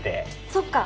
そっか！